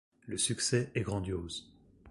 Le succès est grandiose.